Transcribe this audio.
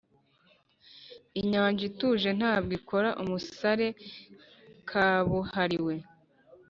inyanja ituje ntabwo ikora umusare kabuhariwe